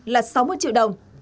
là sáu mươi triệu đồng